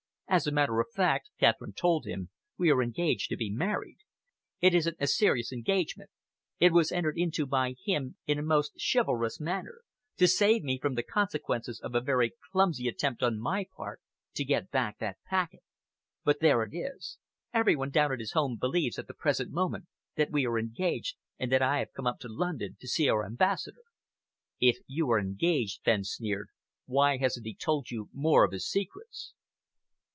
"As a matter of fact," Catherine told him, "we are engaged to be married. It isn't a serious engagement. It was entered into by him in a most chivalrous manner, to save me from the consequences of a very clumsy attempt on my part to get back that packet. But there it is. Every one down at his home believes at the present moment that we are engaged and that I have come up to London to see our Ambassador." "If you are engaged," Fenn sneered, "why hasn't he told you more of his secrets?"